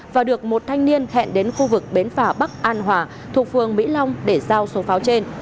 và được một thanh niên hẹn đến khu vực bến phà bắc an hòa thuộc phường mỹ long để giao số pháo trên